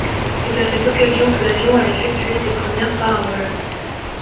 C'est à cette occasion que l'avion a effectué ses premières paraboles.